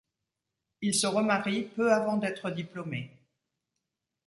Il se remarie peu avant d’être diplômé.